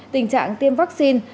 tình trạng tiêm vaccine